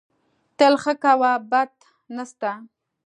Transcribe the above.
تل ښه کوه، بد نه سته